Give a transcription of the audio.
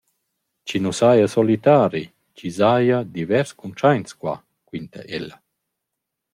Chi nu saja solitari, chi s’haja divers cuntschaints qua, quinta ella.